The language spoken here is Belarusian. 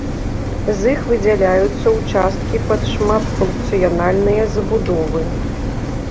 З іх выдзяляюцца ўчасткі пад шматфункцыянальныя забудовы.